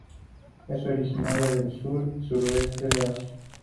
Es originaria del sur y sudeste de Asia.